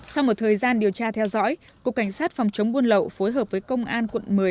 sau một thời gian điều tra theo dõi cục cảnh sát phòng chống buôn lậu phối hợp với công an quận một mươi